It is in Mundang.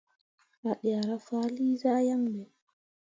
A ɗeera faali zah yaŋ ɓe.